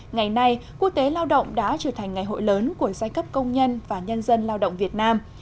ngày nay quốc tế lao động đã trở thành ngày hội lớn của giai cấp công nhân và nhân dân lao động việt nam